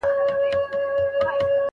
مخامخ سوله په جنګ کي دوه پوځونه